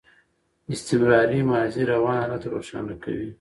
استمراري ماضي روان حالت روښانه کوي.